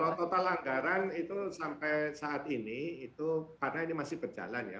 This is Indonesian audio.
kalau total anggaran itu sampai saat ini itu karena ini masih berjalan ya